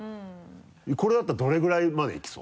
これだったらどれぐらいまでいきそう？